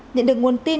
nhận được nguồn tin